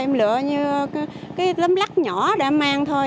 em lựa như cái lấm lắc nhỏ để em mang thôi